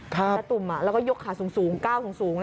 ครับอีตุ่มแล้วก็ยกขาสูง